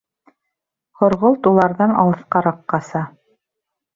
Һорғолт уларҙан алыҫҡараҡ ҡаса.